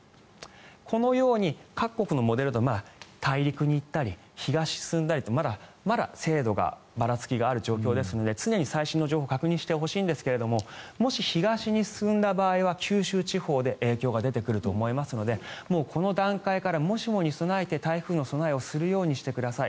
このように各国のモデル大陸に行ったり、東に進んだりとまだ精度にばらつきがある状況ですので常に最新の情報を確認してほしいんですがもし東に進んだ場合は九州地方で影響が出てくると思いますのでこの段階からもしもに備えて台風の備えをするようにしてください。